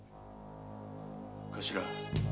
頭。